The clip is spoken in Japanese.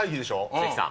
関さん。